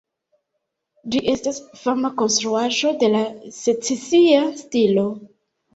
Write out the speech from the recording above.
Ĝi estas fama konstruaĵo de la secesia stilo.